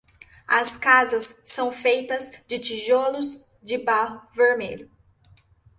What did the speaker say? As casas são feitas de tijolos de barro vermelho.